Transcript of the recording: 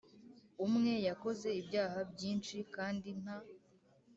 umwe yakoze ibyaha byinshi kandi nta